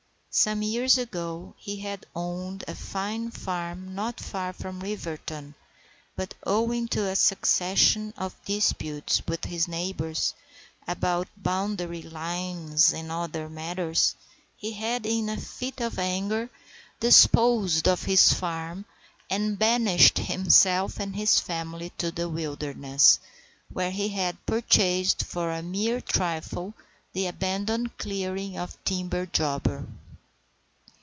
Some years ago he had owned a fine farm not far from Riverton, but owing to a succession of disputes with his neighbours, about boundary lines and other matters, he had in a fit of anger disposed of his farm and banished himself and his family to the wilderness, where he had purchased for a mere trifle the abandoned clearing of a timber jobber.